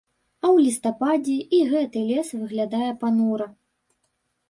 А ў лістападзе і гэты лес выглядае панура.